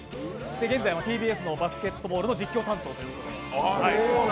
現在、ＴＢＳのバスケットボールの実況担当です。